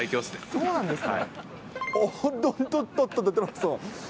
そうなんですか。